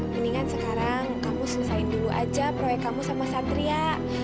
mendingan sekarang kamu selesaiin dulu aja proyek kamu sama satria